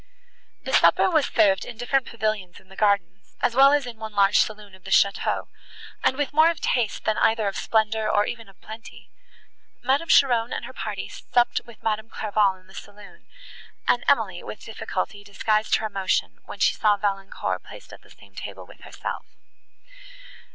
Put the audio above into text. The supper was served in different pavilions in the gardens, as well as in one large saloon of the château, and with more of taste, than either of splendour, or even of plenty. Madame Cheron and her party supped with Madame Clairval in the saloon, and Emily, with difficulty, disguised her emotion, when she saw Valancourt placed at the same table with herself.